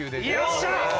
よっしゃー！